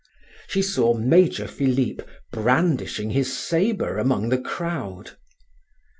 She saw Major Philip brandishing his sabre among the crowd.